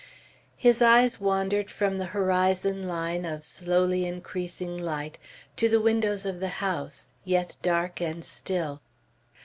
His eyes wandered from the horizon line of slowly increasing light, to the windows of the house, yet dark and still.